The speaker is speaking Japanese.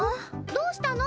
どうしたの？